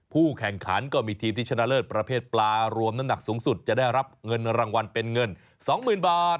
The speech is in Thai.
แข่งขันก็มีทีมที่ชนะเลิศประเภทปลารวมน้ำหนักสูงสุดจะได้รับเงินรางวัลเป็นเงิน๒๐๐๐บาท